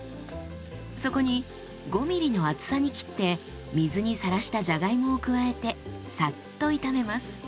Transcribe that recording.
そこに５ｍｍの厚さに切って水にさらしたじゃがいもを加えてサッと炒めます。